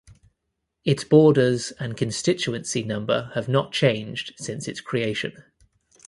Its borders and constituency number have not changed since its creation.